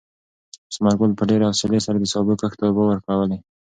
ثمر ګل په ډېرې حوصلې سره د سابو کښت ته اوبه ورکولې.